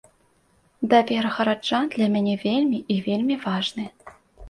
Давер гараджан для мяне вельмі і вельмі важны.